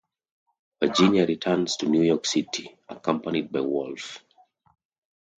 Virginia returns to New York City, accompanied by Wolf.